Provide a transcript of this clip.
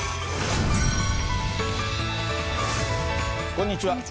こんにちは。